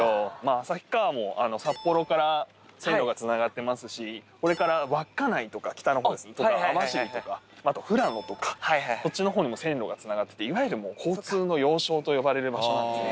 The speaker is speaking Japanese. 旭川も札幌から線路がつながってますし、これから稚内とか、北のほうですね、網走とか、富良野とか、そっちのほうにも線路がつながってて、いわゆる交通の要衝と呼ばれる場所なんですね。